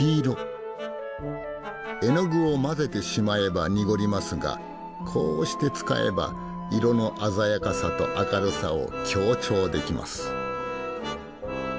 絵の具を混ぜてしまえば濁りますがこうして使えば色の鮮やかさと明るさを強調できます。